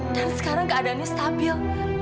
dan sekarang keadaannya stabil